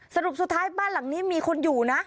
สรุปสุดท้ายบ้านหลังนี้มีคนอยู่นะ